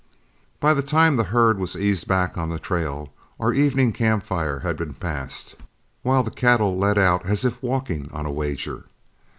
By the time the herd was eased back on the trail, our evening camp fire had been passed, while the cattle led out as if walking on a wager.